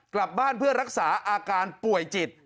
กลับบ้านเพื่อรักษาอาการป่วยจิต